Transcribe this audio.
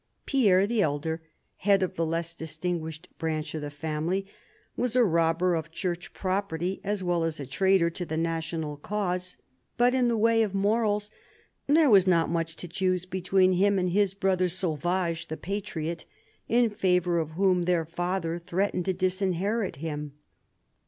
Pierre, the elder, head of the less distinguished branch of the family, was a robber of Church property as well as a traitor to the national cause ; but in the way of morals there was not much to choose between him and his brother Sauvage, the patriot, in favour of whom their father threat ened to disinherit him.